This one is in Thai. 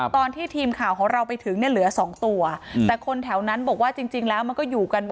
ตอนที่ทีมข่าวของเราไปถึงเนี่ยเหลือสองตัวแต่คนแถวนั้นบอกว่าจริงแล้วมันก็อยู่กัน